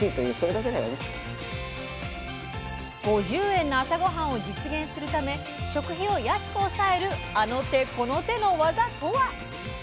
５０円の朝ごはんを実現するため食費を安く抑えるあの手この手のワザとは？